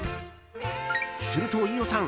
すると飯尾さん